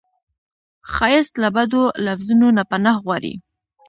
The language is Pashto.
ښایست له بدو لفظونو نه پناه غواړي